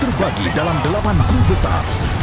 terbagi dalam delapan grup besar